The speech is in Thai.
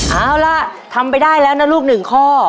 เอาล่ะทำไปได้แล้วนะลูก๑ข้อ